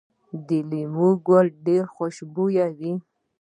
د لیمو ګل ډیر خوشبويه وي؟